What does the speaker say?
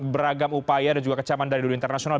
beragam upaya dan juga kecaman dari dunia internasional